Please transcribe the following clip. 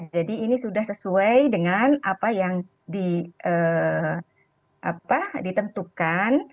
jadi ini sudah sesuai dengan apa yang ditentukan